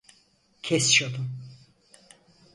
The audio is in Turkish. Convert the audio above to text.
Kes şunu.